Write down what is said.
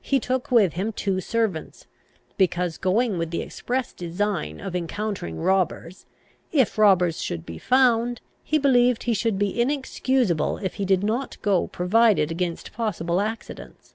He took with him two servants, because, going with the express design of encountering robbers, if robbers should be found, he believed he should be inexcusable if he did not go provided against possible accidents.